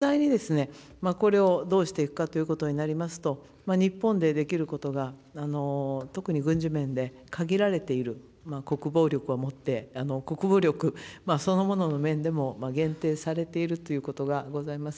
ただ、実際にこれをどうしていくかということになりますと、日本でできることが特に軍事面で限られている、国防力を持って、国防力そのものの面でも、限定されているということがございます。